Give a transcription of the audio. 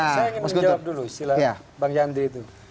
saya ingin menjawab dulu istilah bang yandri itu